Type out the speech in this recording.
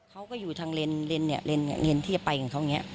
เขาก็อยู่ทางเลนท์ที่จะไปกับเขาอย่างนี้